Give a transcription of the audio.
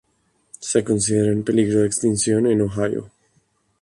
Se considera en peligro de extinción en Ohio.